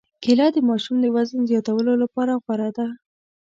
کېله د ماشوم د وزن زیاتولو لپاره غوره ده.